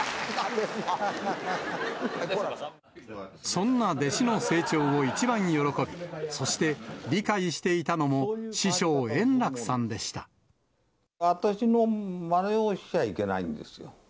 そんな弟子の成長を一番喜び、そして理解していたのも師匠、私のまねをしちゃいけないんですよ。